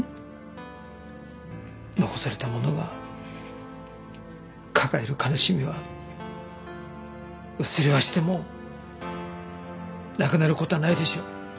残された者が抱える悲しみは薄れはしてもなくなる事はないでしょう。